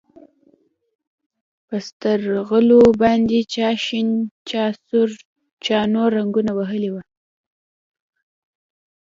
په سترغلو باندې چا شين چا سور چا نور رنګونه وهلي وو.